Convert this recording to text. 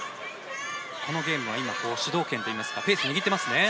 このゲームは今、主導権といいますかペースを握っていますね。